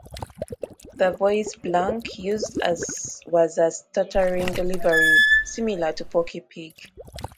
The voice Blanc used was a stuttering delivery similar to Porky Pig.